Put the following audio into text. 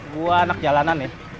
gua anak jalanan ya